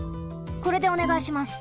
これでおねがいします。